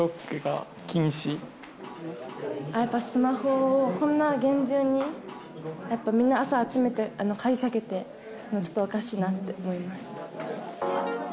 やっぱスマホを、こんな厳重に、やっぱみんな朝集めて、鍵かけて、ちょっとおかしいなって思います。